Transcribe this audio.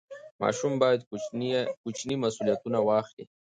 ماشوم باید کوچني مسوولیتونه واخلي.